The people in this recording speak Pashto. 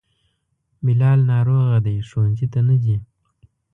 بلال ناروغه دی, ښونځي ته نه ځي